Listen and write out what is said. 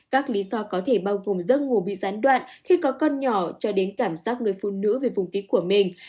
các lý do có thể bao gồm giấc ngủ bị gián đoạn khi có con nhỏ cho đến cảm giác người phụ nữ về vùng ký của mình